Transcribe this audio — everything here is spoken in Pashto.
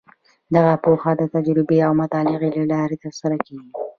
دغه پوهه د تجربې او مطالعې له لارې ترلاسه کیږي.